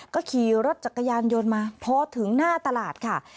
ก็ขี่รถจักรยานยนต์มาพอถึงหน้าตลาดค่ะ